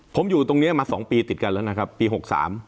ผมอยู่ตรงเนี้ยมาสองปีติดกันแล้วนะครับปีหกสาม